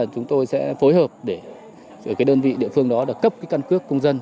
chúng tôi sẽ phối hợp để cái đơn vị địa phương đó là cấp cái căn cước công dân